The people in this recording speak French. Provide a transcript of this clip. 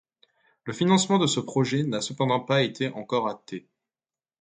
Le financement de ce projet n'a cependant pas été encore acté.